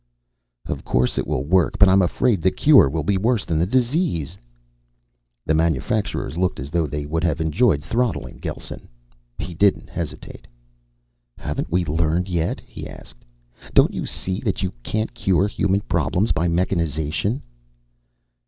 "Of course it will work. But I'm afraid the cure will be worse than the disease." The manufacturers looked as though they would have enjoyed throttling Gelsen. He didn't hesitate. "Haven't we learned yet?" he asked. "Don't you see that you can't cure human problems by mechanization?"